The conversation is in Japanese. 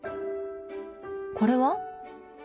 これは？